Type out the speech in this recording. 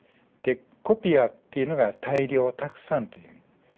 で「コピア」っていうのが「大量」「たくさん」という意味。